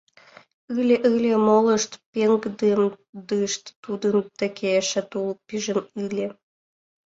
— Ыле, ыле, — молышт пеҥгыдемдышт, — тудын деке эше тул пижын ыле...